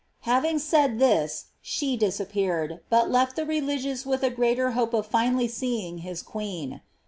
Having said this she disappeared, but left the re ligious with a greater hope of finally seeing his queen.